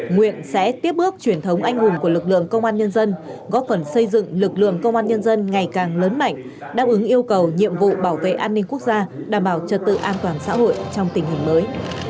nguyện sẽ tiếp bước truyền thống anh hùng của lực lượng công an nhân dân góp phần xây dựng lực lượng công an nhân dân ngày càng lớn mạnh đáp ứng yêu cầu nhiệm vụ bảo vệ an ninh quốc gia đảm bảo trật tự an toàn xã hội trong tình hình mới